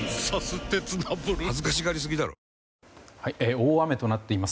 大雨となっています。